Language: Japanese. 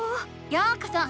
ようこそ！